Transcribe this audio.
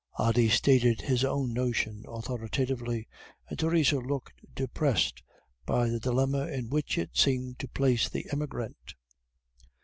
Ody stated his own notion authoritatively, and Theresa looked depressed by the dilemma in which it seemed to place the emigrant.